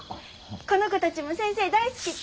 この子たちも先生大好きって。